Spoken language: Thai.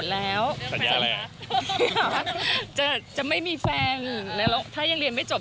แล้วไหนว่าให้ตอบ